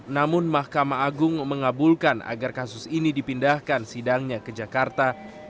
namun mahkamah agung mengabulkan agar kasus ini dipindahkan sidangnya ke jakarta